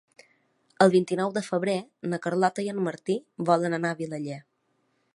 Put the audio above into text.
El vint-i-nou de febrer na Carlota i en Martí volen anar a Vilaller.